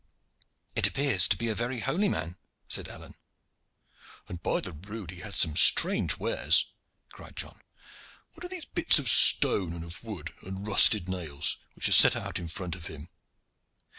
"It appears to be a very holy man," said Alleyne. "And, by the rood! he hath some strange wares," cried John. "What are these bits of stone, and of wood, and rusted nails, which are set out in front of him?"